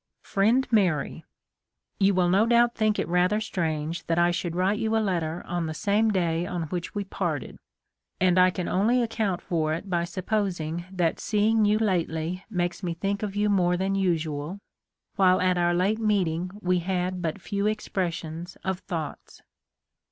" Friend Mary :" You will no doubt think it rather strange that I should write you a letter on the same day on which we parted ; and I can only account for it by sup posing that seeing you lately makes me think of you more than usual, while at our late meeting we had but few expressions of thoughts.